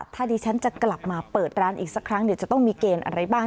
ถ้าดิฉันจะกลับมาเปิดร้านอีกสักครั้งจะต้องมีเกณฑ์อะไรบ้าง